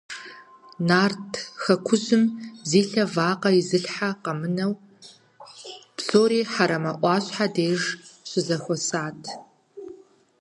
Нарт хэкужьым зи лъэ вакъэ изылъхьэ къэмынэу псори Хьэрэмэ Ӏуащхьэ деж щызэхуэсат.